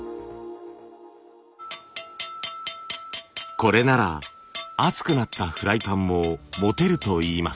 これなら熱くなったフライパンも持てるといいます。